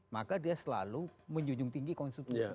maka dia selalu menjunjung tinggi konstitusi